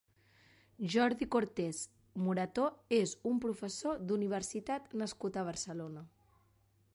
Jordi Cortés Morató és un professor d'universitat nascut a Barcelona.